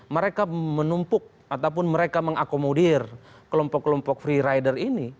mereka menumpuk ataupun mereka mengakomodir kelompok kelompok free rider ini